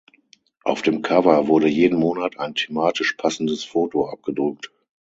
Auf dem Cover wurde jeden Monat ein thematisch passendes Foto abgedruckt.